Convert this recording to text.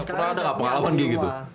pernah ada gak pengalaman kayak gitu